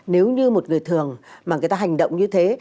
nếu như một người thường mà người ta hành động như thế